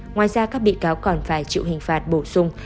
ngoài ra các bị cáo còn phải chịu hình phạt bổ sung